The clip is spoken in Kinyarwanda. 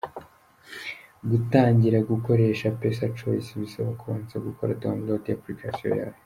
Gutangira gukoresha PesaChoice, bisaba kubanza gukora download ya Application yayo.